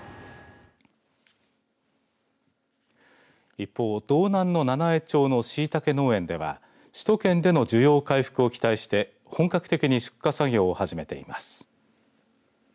一方、道南の七飯町のしいたけ農園では首都圏での需要回復を期待して本格的に出荷作業を始めています。